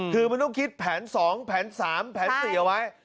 คือมันต้องคิดแผน๒แผน๓แผน๔เอาไว้